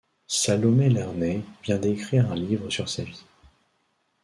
Salomé Lerner vient d'écrire un livre sur sa vie.